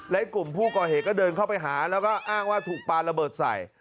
และกลุ่มผู้ก่อเหตุก็เดินเข้าไปหาแล้วก็อ้างว่าถูกปลาระเบิดใส่